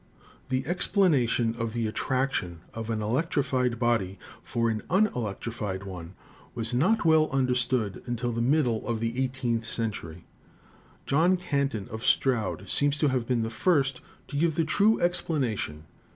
The explanation of the attraction of an electrified body for an unelectrified one was not well understood until the middle of the eighteenth century. John Canton, of Stroud, seems to have been the first to give the true ex planation.